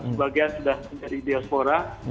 sebagian sudah menjadi diaspora